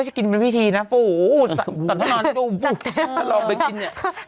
ถ้านานนิดหนึ่งถ้าลองไปกินนี่